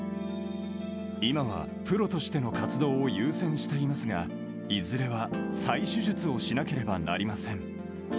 今はプロとしての活動を優先していますが、いずれは再手術をしなければなりません。